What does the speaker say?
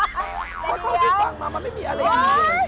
เพราะเท่าที่ฟังมามันไม่มีอะไรดี